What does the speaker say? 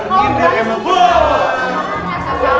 masalah mungkin dia emang